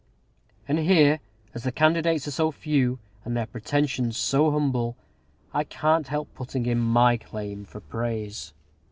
And here, as the candidates are so few, and their pretensions so humble, I can't help putting in my claim for praise.